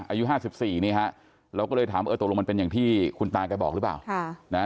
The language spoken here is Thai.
อายุ๕๔นี่ฮะเราก็เลยถามเออตกลงมันเป็นอย่างที่คุณตาแกบอกหรือเปล่า